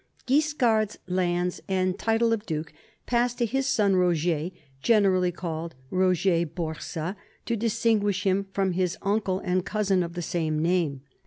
Guiscard 's lands and title of duke passed to his son Roger, generally called Roger Borsa to distinguish him from his uncle and cousin of the same name.